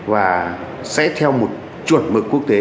và sẽ theo một chuẩn mực quốc tế